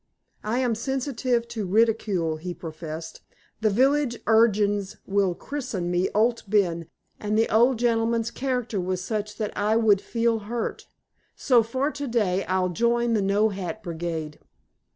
"I am sensitive to ridicule," he professed. "The village urchins will christen me 'Owd Ben,' and the old gentleman's character was such that I would feel hurt. So, for to day, I'll join the no hat brigade."